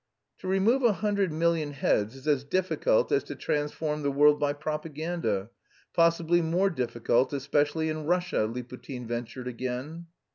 "To remove a hundred million heads is as difficult as to transform the world by propaganda. Possibly more difficult, especially in Russia," Liputin ventured again.